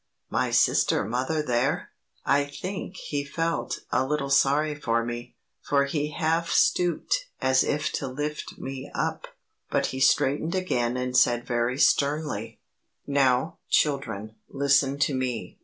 my sister mother there! I think he felt a little sorry for me; for he half stooped as if to lift me up. But he straightened again and said very sternly: "Now, children, listen to me.